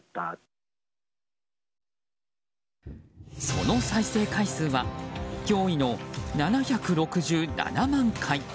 その再生回数は驚異の７６７万回。